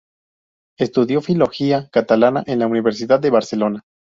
Estudió Filología Catalana en la Universidad de Barcelona.